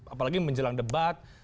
apalagi menjelang debat